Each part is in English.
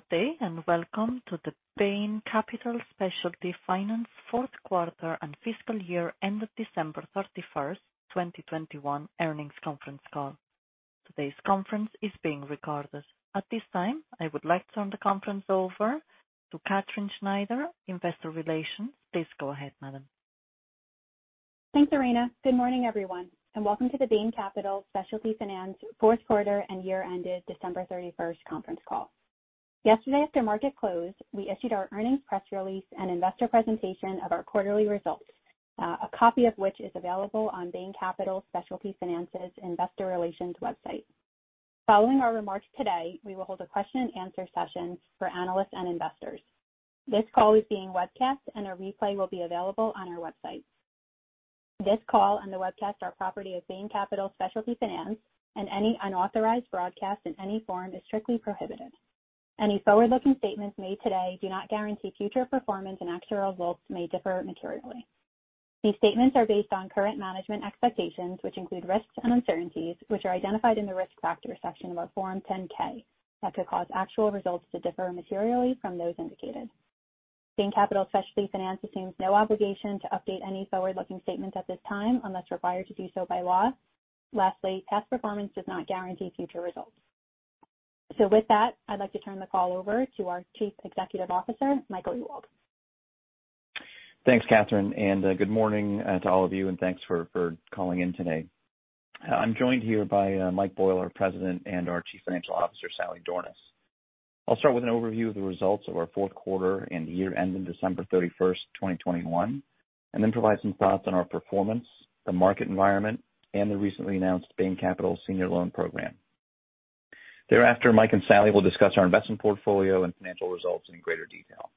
Good day, and welcome to the Bain Capital Specialty Finance fourth quarter and fiscal year end of December 31, 2021 earnings conference call. Today's conference is being recorded. At this time, I would like to turn the conference over to Katherine Schneider, Investor Relations. Please go ahead, madam. Thanks, Irina. Good morning, everyone, and welcome to the Bain Capital Specialty Finance fourth quarter and year-ended December 31 conference call. Yesterday, after market close, we issued our earnings press release and investor presentation of our quarterly results, a copy of which is available on Bain Capital Specialty Finance's investor relations website. Following our remarks today, we will hold a question and answer session for analysts and investors. This call is being webcast, and a replay will be available on our website. This call and the webcast are property of Bain Capital Specialty Finance, and any unauthorized broadcast in any form is strictly prohibited. Any forward-looking statements made today do not guarantee future performance, and actual results may differ materially. These statements are based on current management expectations, which include risks and uncertainties, which are identified in the Risk Factors section of our Form 10-K that could cause actual results to differ materially from those indicated. Bain Capital Specialty Finance assumes no obligation to update any forward-looking statements at this time unless required to do so by law. Lastly, past performance does not guarantee future results. With that, I'd like to turn the call over to our Chief Executive Officer, Michael Ewald. Thanks, Katherine, and good morning to all of you, and thanks for calling in today. I'm joined here by Mike Boyle, our President, and our Chief Financial Officer, Sally Dornaus. I'll start with an overview of the results of our fourth quarter and year ending December 31, 2021, and then provide some thoughts on our performance, the market environment, and the recently announced Bain Capital Senior Loan Program. Thereafter, Mike and Sally will discuss our investment portfolio and financial results in greater detail.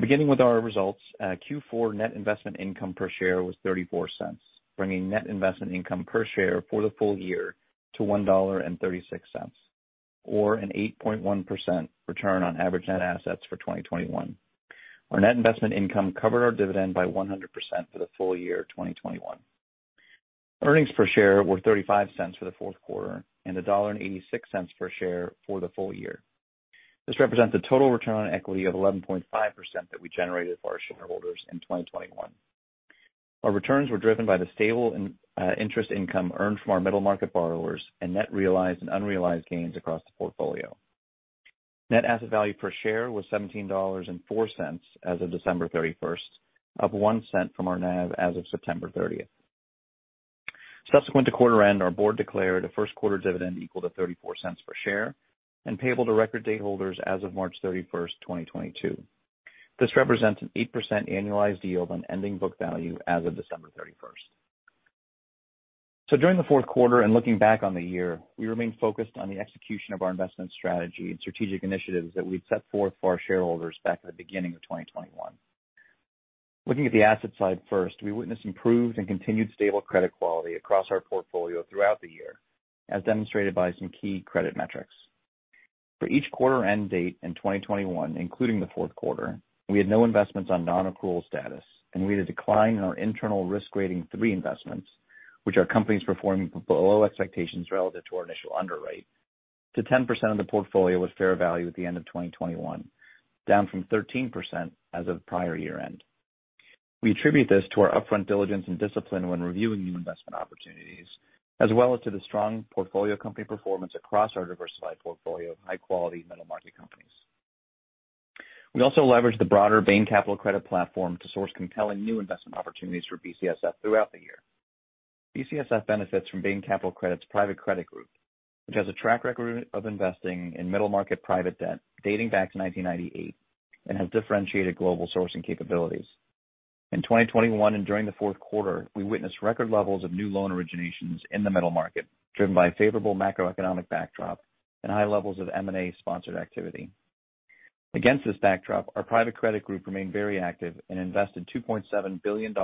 Beginning with our results, Q4 net investment income per share was $0.34, bringing net investment income per share for the full year to $1.36 or an 8.1% return on average net assets for 2021. Our net investment income covered our dividend by 100% for the full year 2021. Earnings per share were $0.35 for the fourth quarter and $1.86 per share for the full year. This represents a total return on equity of 11.5% that we generated for our shareholders in 2021. Our returns were driven by the stable interest income earned from our middle market borrowers and net realized and unrealized gains across the portfolio. Net asset value per share was $17.04 as of December 31, up $0.01 from our NAV as of September 30. Subsequent to quarter end, our board declared a first quarter dividend equal to $0.34 per share and payable to record date holders as of March 31, 2022. This represents an 8% annualized yield on ending book value as of December 31. During the fourth quarter and looking back on the year, we remain focused on the execution of our investment strategy and strategic initiatives that we've set forth for our shareholders back at the beginning of 2021. Looking at the asset side first, we witnessed improved and continued stable credit quality across our portfolio throughout the year, as demonstrated by some key credit metrics. For each quarter end date in 2021, including the fourth quarter, we had no investments on non-accrual status, and we had a decline in our internal Risk Rating 3 investments, which are companies performing below expectations relative to our initial underwrite to 10% of the portfolio with fair value at the end of 2021, down from 13% as of prior year-end. We attribute this to our upfront diligence and discipline when reviewing new investment opportunities, as well as to the strong portfolio company performance across our diversified portfolio of high-quality middle market companies. We also leveraged the broader Bain Capital Credit platform to source compelling new investment opportunities for BCSF throughout the year. BCSF benefits from Bain Capital Credit's private credit group, which has a track record of investing in middle market private debt dating back to 1998 and has differentiated global sourcing capabilities. In 2021, and during the fourth quarter, we witnessed record levels of new loan originations in the middle market, driven by a favorable macroeconomic backdrop and high levels of M&A sponsored activity. Against this backdrop, our private credit group remained very active and invested $2.7 billion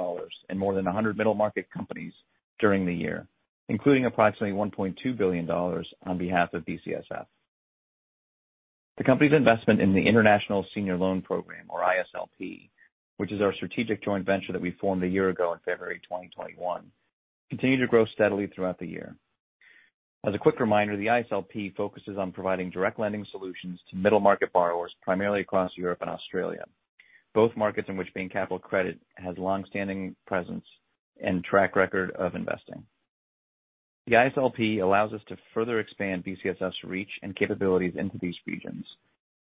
in more than 100 middle market companies during the year, including approximately $1.2 billion on behalf of BCSF. The company's investment in the International Senior Loan Program, or ISLP, which is our strategic joint venture that we formed a year ago in February 2021, continued to grow steadily throughout the year. As a quick reminder, the ISLP focuses on providing direct lending solutions to middle-market borrowers primarily across Europe and Australia, both markets in which Bain Capital Credit has longstanding presence and track record of investing. The ISLP allows us to further expand BCSF's reach and capabilities into these regions,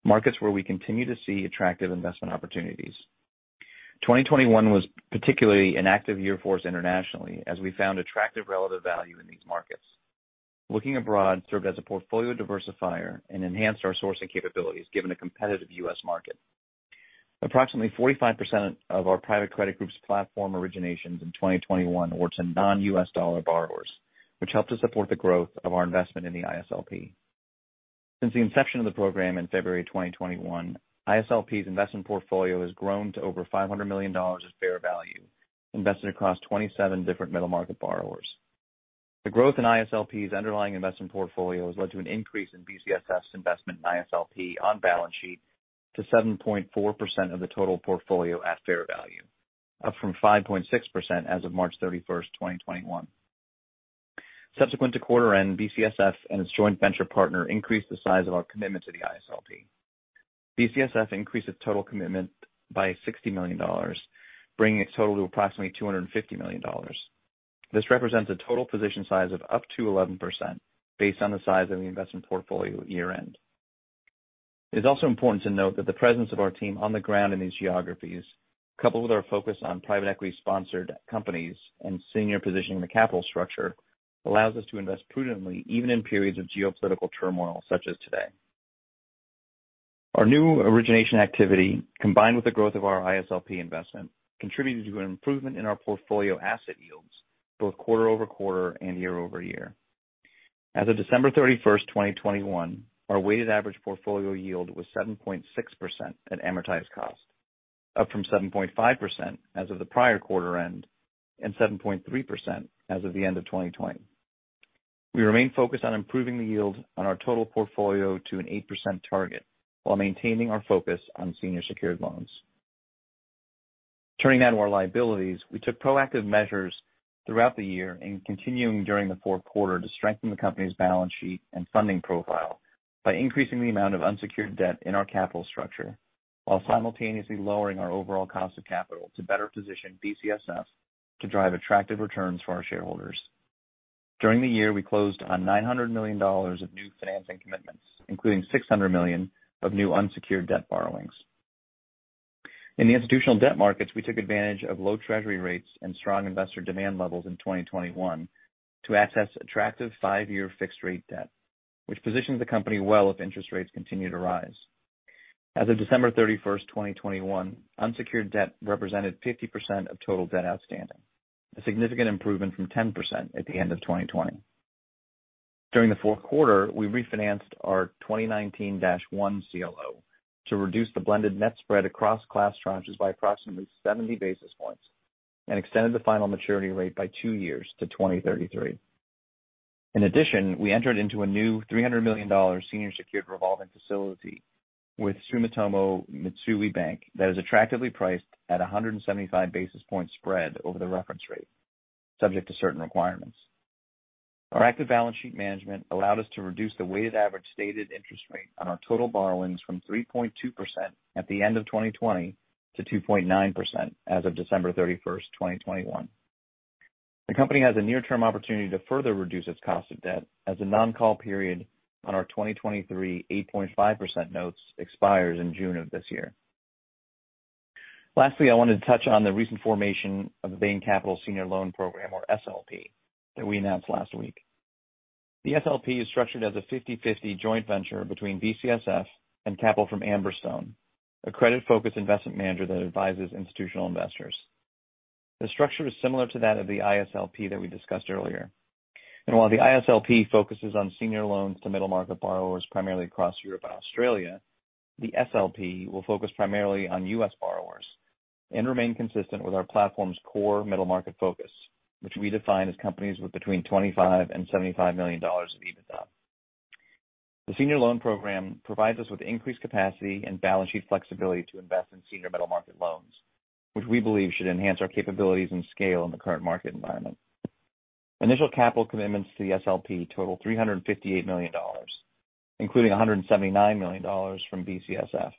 markets where we continue to see attractive investment opportunities. 2021 was particularly an active year for us internationally as we found attractive relative value in these markets. Looking abroad served as a portfolio diversifier and enhanced our sourcing capabilities given a competitive U.S. market. Approximately 45% of our private credit group's platform originations in 2021 were to non-U.S. dollar borrowers, which helped to support the growth of our investment in the ISLP. Since the inception of the program in February 2021, ISLP's investment portfolio has grown to over $500 million at fair value, invested across 27 different middle market borrowers. The growth in ISLP's underlying investment portfolio has led to an increase in BCSF's investment in ISLP on balance sheet to 7.4% of the total portfolio at fair value, up from 5.6% as of March 31, 2021. Subsequent to quarter end, BCSF and its joint venture partner increased the size of our commitment to the ISLP. BCSF increased its total commitment by $60 million, bringing its total to approximately $250 million. This represents a total position size of up to 11% based on the size of the investment portfolio at year-end. It is also important to note that the presence of our team on the ground in these geographies, coupled with our focus on private equity-sponsored companies and senior positioning in the capital structure, allows us to invest prudently even in periods of geopolitical turmoil such as today. Our new origination activity, combined with the growth of our ISLP investment, contributed to an improvement in our portfolio asset yields both quarter-over-quarter and year-over-year. As of December 31, 2021, our weighted average portfolio yield was 7.6% at amortized cost, up from 7.5% as of the prior quarter end and 7.3% as of the end of 2020. We remain focused on improving the yield on our total portfolio to an 8% target while maintaining our focus on senior secured loans. Turning now to our liabilities. We took proactive measures throughout the year and continuing during the fourth quarter to strengthen the company's balance sheet and funding profile by increasing the amount of unsecured debt in our capital structure while simultaneously lowering our overall cost of capital to better position BCSF to drive attractive returns for our shareholders. During the year, we closed on $900 million of new financing commitments, including $600 million of new unsecured debt borrowings. In the institutional debt markets, we took advantage of low Treasury rates and strong investor demand levels in 2021 to access attractive five-year fixed rate debt, which positions the company well if interest rates continue to rise. As of December 31, 2021, unsecured debt represented 50% of total debt outstanding, a significant improvement from 10% at the end of 2020. During the fourth quarter, we refinanced our 2019-1 CLO to reduce the blended net spread across class tranches by approximately 70 basis points and extended the final maturity date by two years to 2033. In addition, we entered into a new $300 million senior secured revolving facility with Sumitomo Mitsui Bank that is attractively priced at a 175 basis point spread over the reference rate, subject to certain requirements. Our active balance sheet management allowed us to reduce the weighted average stated interest rate on our total borrowings from 3.2% at the end of 2020 to 2.9% as of December 31, 2021. The company has a near-term opportunity to further reduce its cost of debt as the non-call period on our 2023 8.5% notes expires in June of this year. Lastly, I wanted to touch on the recent formation of the Bain Capital Senior Loan Program, or SLP, that we announced last week. The SLP is structured as a 50/50 joint venture between BCSF and capital from Amberstone, a credit-focused investment manager that advises institutional investors. The structure is similar to that of the ISLP that we discussed earlier. While the ISLP focuses on senior loans to middle market borrowers primarily across Europe and Australia, the SLP will focus primarily on U.S. borrowers and remain consistent with our platform's core middle market focus, which we define as companies with between $25 million and $75 million of EBITDA. The Senior Loan Program provides us with increased capacity and balance sheet flexibility to invest in senior middle market loans, which we believe should enhance our capabilities and scale in the current market environment. Initial capital commitments to the SLP total $358 million, including $179 million from BCSF.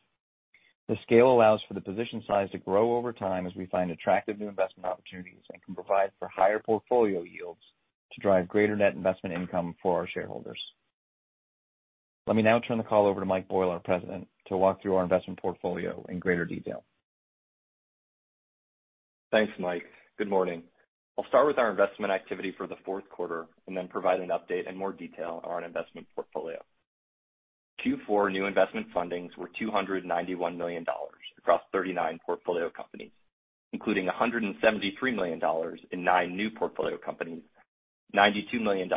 The scale allows for the position size to grow over time as we find attractive new investment opportunities and can provide for higher portfolio yields to drive greater net investment income for our shareholders. Let me now turn the call over to Mike Boyle, our President, to walk through our investment portfolio in greater detail. Thanks, Mike. Good morning. I'll start with our investment activity for the fourth quarter and then provide an update in more detail on our investment portfolio. Q4 new investment fundings were $291 million across 39 portfolio companies, including $173 million in nine new portfolio companies, $92 million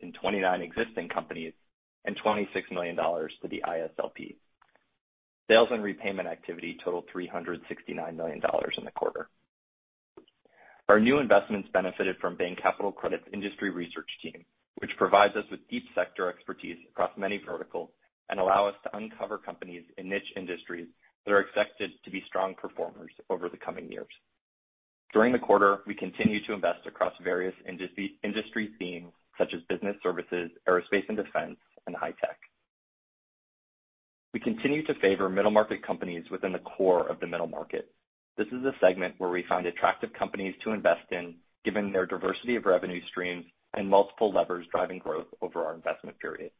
in 29 existing companies, and $26 million to the ISLP. Sales and repayment activity totaled $369 million in the quarter. Our new investments benefited from Bain Capital Credit's industry research team, which provides us with deep sector expertise across many verticals and allow us to uncover companies in niche industries that are expected to be strong performers over the coming years. During the quarter, we continued to invest across various industry themes such as business services, aerospace and defense, and high tech. We continue to favor middle market companies within the core of the middle market. This is a segment where we find attractive companies to invest in, given their diversity of revenue streams and multiple levers driving growth over our investment period.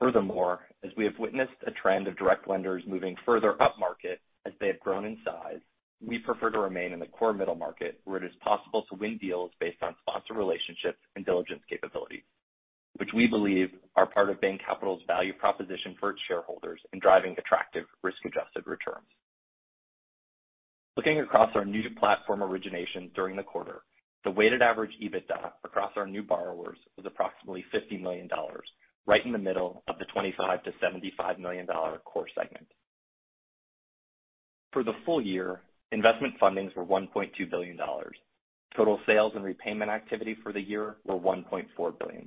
Furthermore, as we have witnessed a trend of direct lenders moving further upmarket as they have grown in size, we prefer to remain in the core middle market where it is possible to win deals based on sponsor relationships and diligence capabilities, which we believe are part of Bain Capital's value proposition for its shareholders in driving attractive risk-adjusted returns. Looking across our new platform origination during the quarter, the weighted average EBITDA across our new borrowers was approximately $50 million, right in the middle of the $25 million-$75 million core segment. For the full year, investment fundings were $1.2 billion. Total sales and repayment activity for the year were $1.4 billion.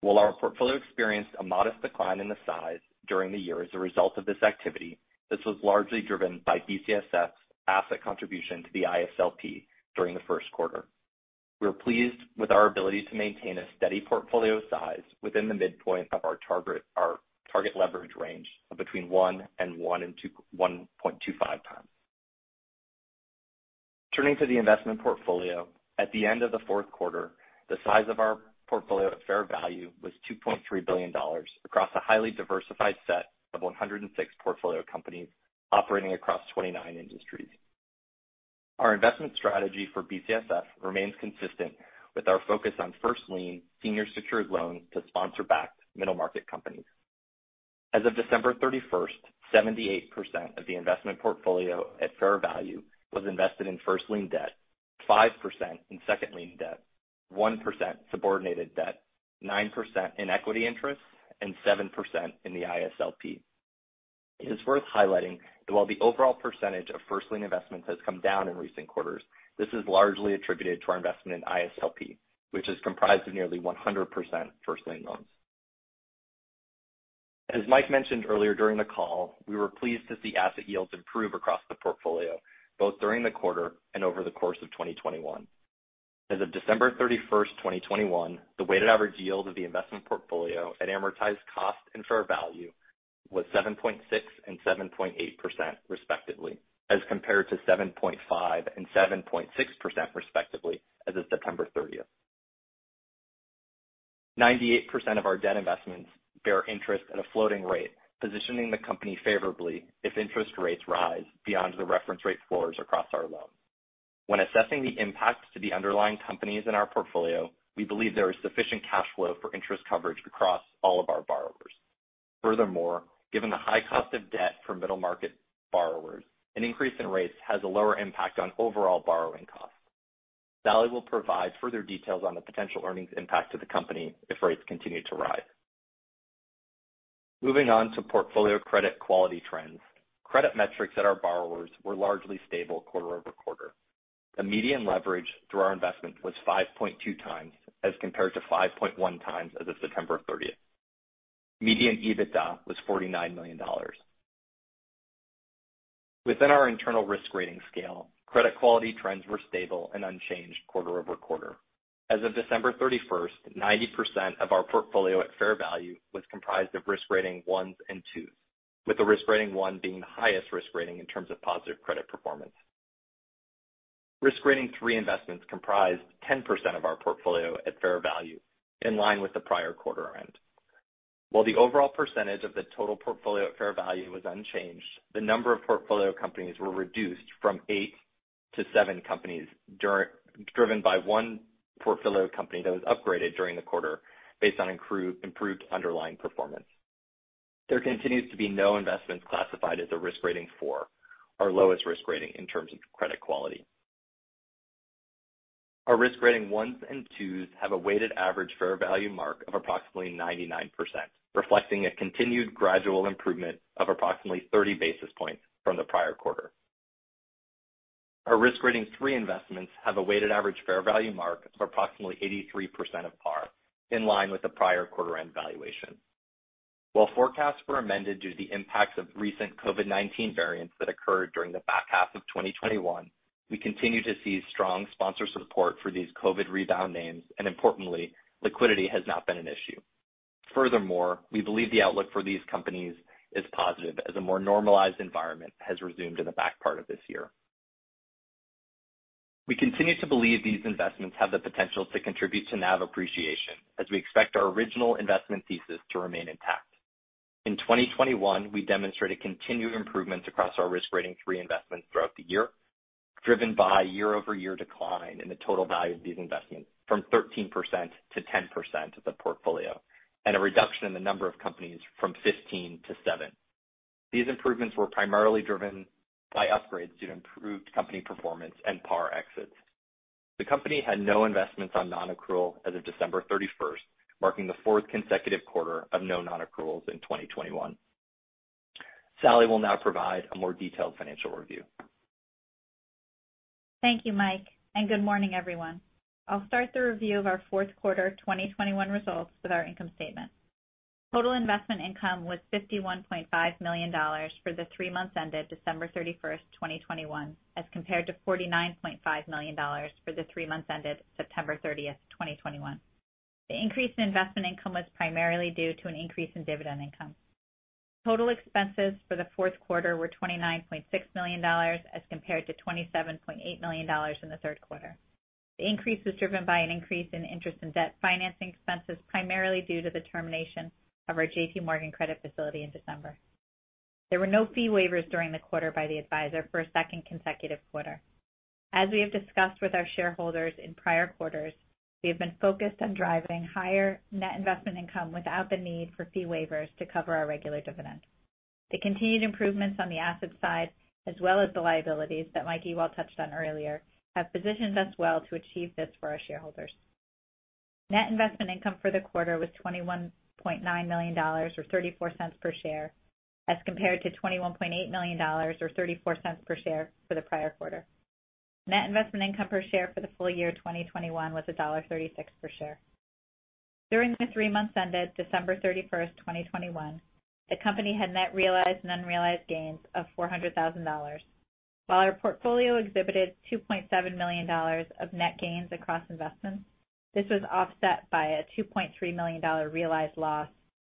While our portfolio experienced a modest decline in the size during the year as a result of this activity, this was largely driven by BCSF's asset contribution to the ISLP during the first quarter. We are pleased with our ability to maintain a steady portfolio size within the midpoint of our target leverage range of between 1x and 1.25x. Turning to the investment portfolio, at the end of the fourth quarter, the size of our portfolio at fair value was $2.3 billion across a highly diversified set of 106 portfolio companies operating across 29 industries. Our investment strategy for BCSF remains consistent with our focus on first lien senior secured loans to sponsor backed middle market companies. As of December 31, 78% of the investment portfolio at fair value was invested in first lien debt, 5% in second lien debt, 1% subordinated debt, 9% in equity interest, and 7% in the ISLP. It is worth highlighting that while the overall percentage of first lien investments has come down in recent quarters, this is largely attributed to our investment in ISLP, which is comprised of nearly 100% first lien loans. As Mike mentioned earlier during the call, we were pleased to see asset yields improve across the portfolio, both during the quarter and over the course of 2021. As of December 31, 2021, the weighted average yield of the investment portfolio at amortized cost and fair value was 7.6% and 7.8% respectively, as compared to 7.5% and 7.6% respectively as of September 30. 98% of our debt investments bear interest at a floating rate, positioning the company favorably if interest rates rise beyond the reference rate floors across our loans. When assessing the impacts to the underlying companies in our portfolio, we believe there is sufficient cash flow for interest coverage across all of our borrowers. Furthermore, given the high cost of debt for middle market borrowers, an increase in rates has a lower impact on overall borrowing costs. Sally will provide further details on the potential earnings impact to the company if rates continue to rise. Moving on to portfolio credit quality trends. Credit metrics at our borrowers were largely stable quarter-over-quarter. The median leverage through our investments was 5.2x, as compared to 5.1x as of September 30. Median EBITDA was $49 million. Within our internal Risk Rating scale, credit quality trends were stable and unchanged quarter-over-quarter. As of December 31, 90% of our portfolio at fair value was comprised of Risk Rating 1 and 2, with the Risk Rating 1 being the highest Risk Rating in terms of positive credit performance. Risk Rating 3 investments comprised 10% of our portfolio at fair value, in line with the prior quarter end. While the overall percentage of the total portfolio at fair value was unchanged, the number of portfolio companies were reduced from eight to seven companies driven by one portfolio company that was upgraded during the quarter based on improved underlying performance. There continues to be no investments classified as a Risk Rating 4, our lowest Risk Rating in terms of credit quality. Our Risk Rating 1 and 2 have a weighted average fair value mark of approximately 99%, reflecting a continued gradual improvement of approximately 30 basis points from the prior quarter. Our Risk Rating 3 investments have a weighted average fair value mark of approximately 83% of par, in line with the prior quarter end valuation. While forecasts were amended due to the impacts of recent COVID-19 variants that occurred during the back half of 2021, we continue to see strong sponsor support for these COVID rebound names, and importantly, liquidity has not been an issue. Furthermore, we believe the outlook for these companies is positive as a more normalized environment has resumed in the back part of this year. We continue to believe these investments have the potential to contribute to NAV appreciation as we expect our original investment thesis to remain intact. In 2021, we demonstrated continued improvements across our Risk Rating 3 investments throughout the year, driven by year-over-year decline in the total value of these investments from 13%-10% of the portfolio, and a reduction in the number of companies from 15 to seven. These improvements were primarily driven by upgrades due to improved company performance and par exits. The company had no investments on non-accrual as of December 31, marking the fourth consecutive quarter of no non-accruals in 2021. Sally will now provide a more detailed financial review. Thank you, Mike, and good morning, everyone. I'll start the review of our fourth quarter 2021 results with our income statement. Total investment income was $51.5 million for the three months ended December 31, 2021, as compared to $49.5 million for the three months ended September 30, 2021. The increase in investment income was primarily due to an increase in dividend income. Total expenses for the fourth quarter were $29.6 million, as compared to $27.8 million in the third quarter. The increase was driven by an increase in interest and debt financing expenses, primarily due to the termination of our JPMorgan credit facility in December. There were no fee waivers during the quarter by the advisor for a second consecutive quarter. As we have discussed with our shareholders in prior quarters, we have been focused on driving higher net investment income without the need for fee waivers to cover our regular dividend. The continued improvements on the asset side, as well as the liabilities that Mike Ewald touched on earlier, have positioned us well to achieve this for our shareholders. Net investment income for the quarter was $21.9 million, or $0.31 per share, as compared to $21.8 million or $0.34 per share for the prior quarter. Net investment income per share for the full year 2021 was $1.36 per share. During the three months ended December 31, 2021, the company had net realized and unrealized gains of $400,000. While our portfolio exhibited $2.7 million of net gains across investments, this was offset by a $2.3 million realized loss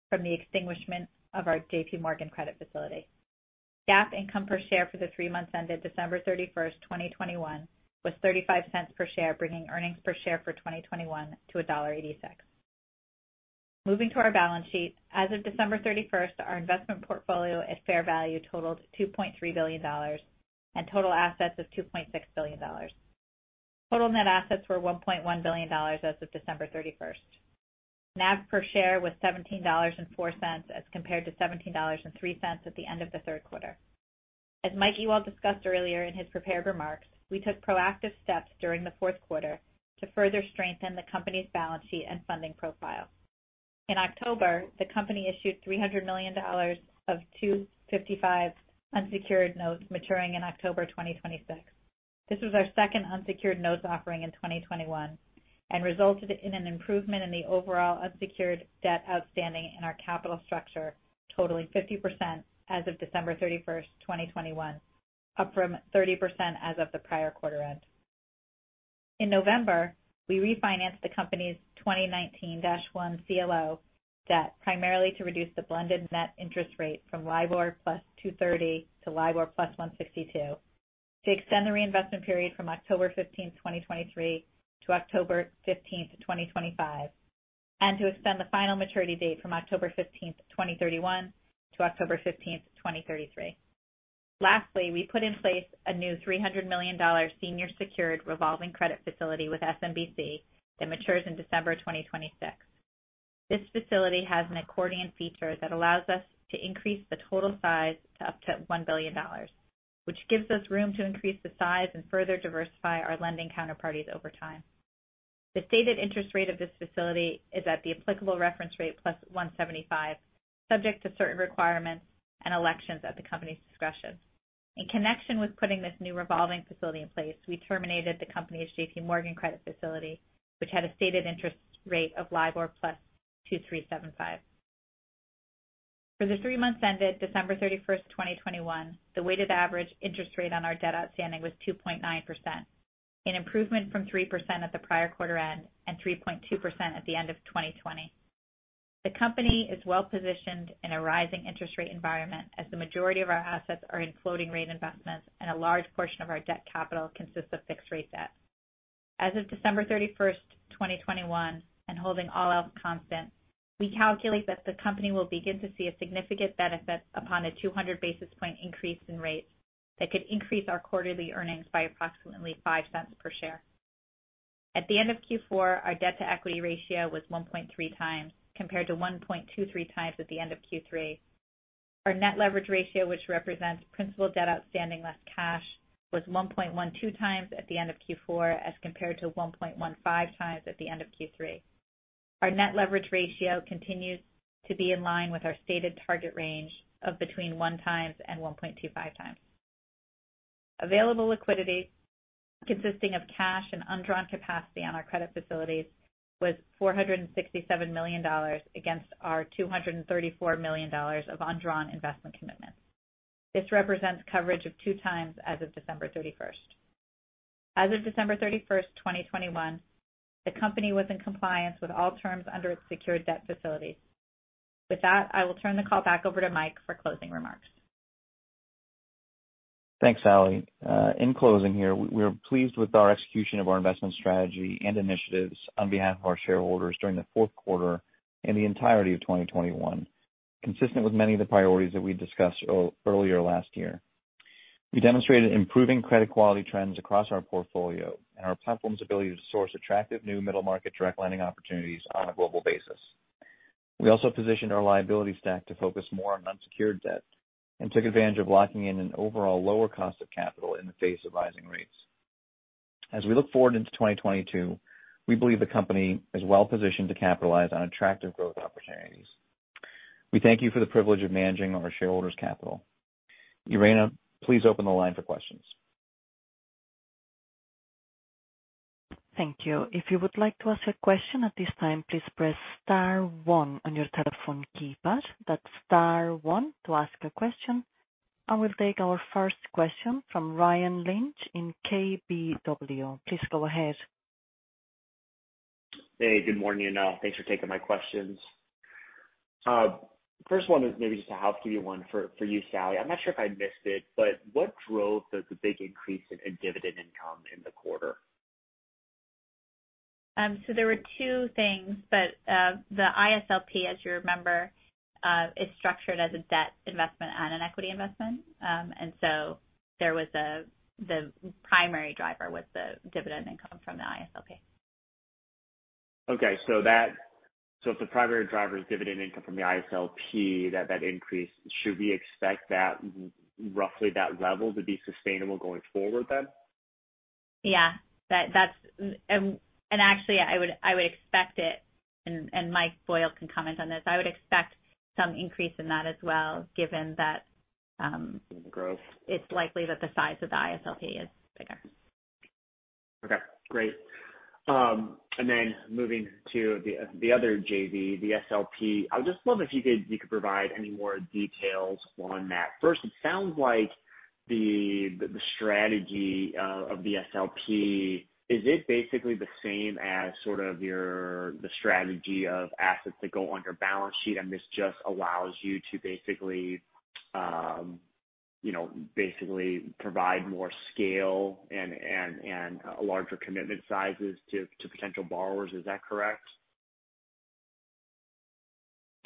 from the extinguishment of our JPMorgan credit facility. GAAP income per share for the three months ended December 31, 2021 was $0.35 per share, bringing earnings per share for 2021 to $1.86. Moving to our balance sheet. As of December 31, our investment portfolio at fair value totaled $2.3 billion, and total assets was $2.6 billion. Total net assets were $1.1 billion as of December 31. NAV per share was $17.04, as compared to $17.03 at the end of the third quarter. As Mike Ewald discussed earlier in his prepared remarks, we took proactive steps during the fourth quarter to further strengthen the company's balance sheet and funding profile. In October, the company issued $300 million of 2.55% unsecured notes maturing in October 2026. This was our second unsecured notes offering in 2021, and resulted in an improvement in the overall unsecured debt outstanding in our capital structure, totaling 50% as of December 31, 2021, up from 30% as of the prior quarter end. In November, we refinanced the company's 2019-1 CLO debt primarily to reduce the blended net interest rate from LIBOR plus 230 bps to LIBOR plus 162 bps, to extend the reinvestment period from October 15th, 2023 to October 15th, 2025, and to extend the final maturity date from October 15th, 2031 to October 15th, 2033. Lastly, we put in place a new $300 million senior secured revolving credit facility with SMBC that matures in December 2026. This facility has an accordion feature that allows us to increase the total size to up to $1 billion, which gives us room to increase the size and further diversify our lending counterparties over time. The stated interest rate of this facility is at the applicable reference rate plus 175, subject to certain requirements and elections at the company's discretion. In connection with putting this new revolving facility in place, we terminated the company's JPMorgan credit facility, which had a stated interest rate of LIBOR plus 2.375%. For the three months ended December 31, 2021, the weighted average interest rate on our debt outstanding was 2.9%, an improvement from 3% at the prior quarter end and 3.2% at the end of 2020. The company is well positioned in a rising interest rate environment as the majority of our assets are in floating rate investments and a large portion of our debt capital consists of fixed rate debt. As of December 31, 2021, and holding all else constant, we calculate that the company will begin to see a significant benefit upon a 200 basis point increase in rates that could increase our quarterly earnings by approximately $0.05 per share. At the end of Q4, our debt-to-equity ratio was 1.3x, compared to 1.23x at the end of Q3. Our net leverage ratio, which represents principal debt outstanding less cash, was 1.12x at the end of Q4, as compared to 1.15x at the end of Q3. Our net leverage ratio continues to be in line with our stated target range of between 1x and 1.25x. Available liquidity consisting of cash and undrawn capacity on our credit facilities was $467 million against our $234 million of undrawn investment commitments. This represents coverage of 2x as of December 31. As of December 31, 2021, the company was in compliance with all terms under its secured debt facilities. With that, I will turn the call back over to Mike for closing remarks. Thanks, Sally. In closing here, we're pleased with our execution of our investment strategy and initiatives on behalf of our shareholders during the fourth quarter and the entirety of 2021, consistent with many of the priorities that we discussed earlier last year. We demonstrated improving credit quality trends across our portfolio and our platform's ability to source attractive new middle market direct lending opportunities on a global basis. We also positioned our liability stack to focus more on unsecured debt and took advantage of locking in an overall lower cost of capital in the face of rising rates. As we look forward into 2022, we believe the company is well positioned to capitalize on attractive growth opportunities. We thank you for the privilege of managing our shareholders' capital. Irina, please open the line for questions. Thank you. If you would like to ask a question at this time, please press star one on your telephone keypad. That's star one to ask a question. I will take our first question from Ryan Lynch in KBW. Please go ahead. Hey, good morning, you know. Thanks for taking my questions. First one is maybe just a house view one for you, Sally. I'm not sure if I missed it, but what drove the big increase in dividend income in the quarter? There were two things, but the ISLP, as you remember, is structured as a debt investment and an equity investment. The primary driver was the dividend income from the ISLP. If the primary driver is dividend income from the ISLP, that increase, should we expect that roughly that level to be sustainable going forward then? Yeah. Actually I would expect it. Mike Boyle can comment on this. I would expect some increase in that as well, given that. Growth. It's likely that the size of the ISLP is bigger. Okay, great. Moving to the other JV, the SLP. I would just love if you could provide any more details on that. First, it sounds like the strategy of the SLP is basically the same as sort of the strategy of assets that go on your balance sheet, and this just allows you to basically, you know, basically provide more scale and larger commitment sizes to potential borrowers. Is that correct?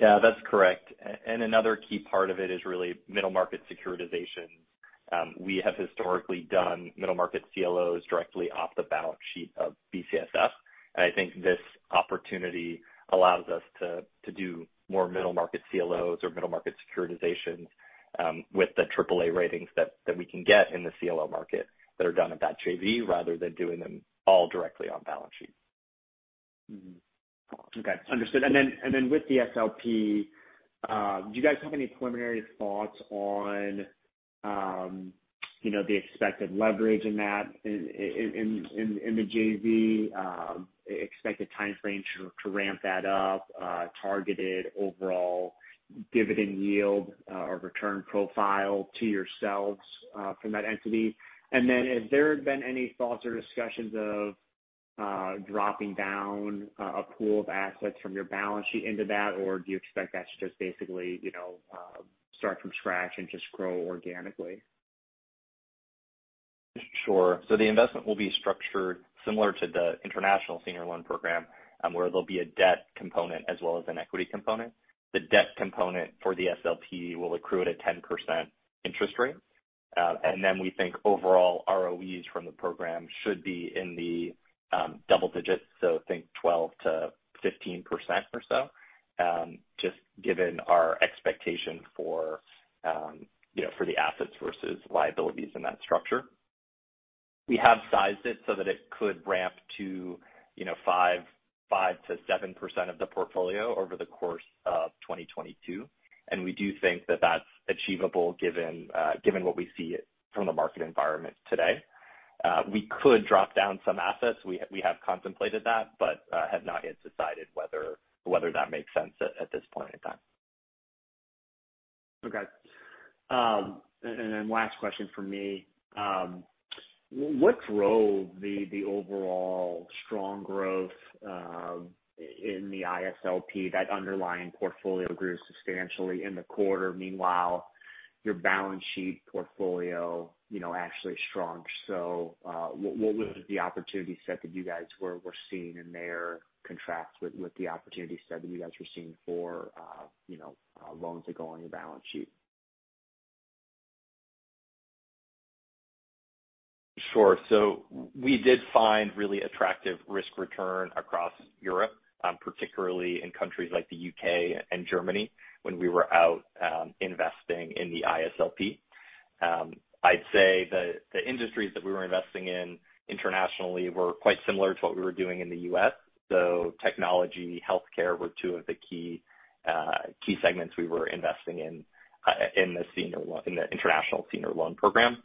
Yeah, that's correct. Another key part of it is really middle market securitization. We have historically done middle market CLOs directly off the balance sheet of BCSF. I think this opportunity allows us to do more middle market CLOs or middle market securitizations with the triple A ratings that we can get in the CLO market that are done at that JV rather than doing them all directly on balance sheet. Okay, understood. With the SLP, do you guys have any preliminary thoughts on, you know, the expected leverage in that, in the JV, expected timeframe to ramp that up, targeted overall dividend yield, or return profile to yourselves, from that entity? Has there been any thoughts or discussions of dropping down a pool of assets from your balance sheet into that? Or do you expect that to just basically, you know, start from scratch and just grow organically? Sure. The investment will be structured similar to the International Senior Loan Program, where there'll be a debt component as well as an equity component. The debt component for the SLP will accrue at a 10% interest rate. We think overall ROEs from the program should be in the double digits, so think 12%-15% or so, just given our expectation for, you know, for the assets versus liabilities in that structure. We have sized it so that it could ramp to, you know, five to seven percent of the portfolio over the course of 2022, and we do think that that's achievable given what we see from the market environment today. We could drop down some assets. We have contemplated that, but have not yet decided whether that makes sense at this point in time. Okay. Then last question from me. What drove the overall strong growth in the ISLP? That underlying portfolio grew substantially in the quarter. Meanwhile, your balance sheet portfolio, you know, actually shrunk. What was the opportunity set that you guys were seeing in there, in contrast with the opportunity set that you guys were seeing for, you know, loans that go on your balance sheet? Sure. We did find really attractive risk return across Europe, particularly in countries like the U.K. and Germany when we were out investing in the ISLP. I'd say the industries that we were investing in internationally were quite similar to what we were doing in the U.S. technology, healthcare were two of the key segments we were investing in the International Senior Loan Program.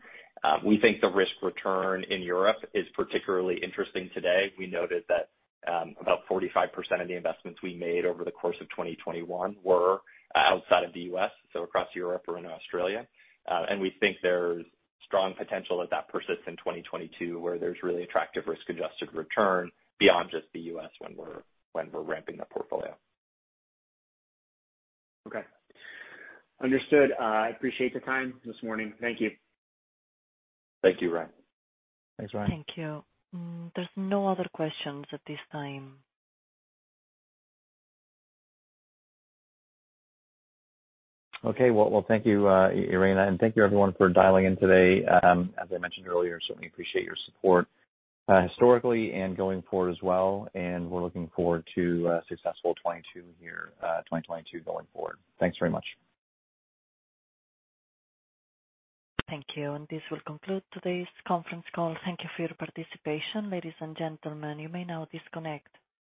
We think the risk return in Europe is particularly interesting today. We noted that about 45% of the investments we made over the course of 2021 were outside of the U.S., so across Europe or in Australia. We think there's strong potential that persists in 2022, where there's really attractive risk-adjusted return beyond just the U.S. when we're ramping the portfolio. Okay. Understood. I appreciate the time this morning. Thank you. Thank you, Ryan. Thanks, Ryan. Thank you. There's no other questions at this time. Okay. Well, thank you, Irina, and thank you everyone for dialing in today. As I mentioned earlier, certainly appreciate your support, historically and going forward as well, and we're looking forward to a successful 2022 going forward. Thanks very much. Thank you. This will conclude today's conference call. Thank you for your participation. Ladies and gentlemen, you may now disconnect.